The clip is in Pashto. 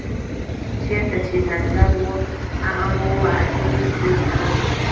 چېرته چې ځنګل و هغه مو وواهه ټول یې پرې کړل.